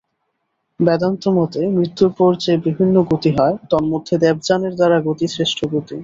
বেদান্তমতে মৃত্যুর পর যে বিভিন্ন গতি হয়, তন্মধ্যে দেবযানের দ্বারা গতি শ্রেষ্ঠ গতি।